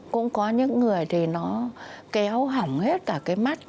cũng có những người thì nó kéo hỏng hết cả cái mắt